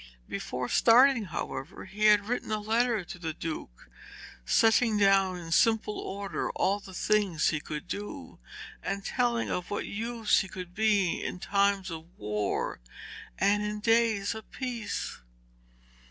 Before starting, however, he had written a letter to the Duke setting down in simple order all the things he could do, and telling of what use he could be in times of war and in days of peace.